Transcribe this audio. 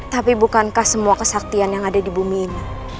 tapi bukankah semua kesaktian yang ada di bumi ini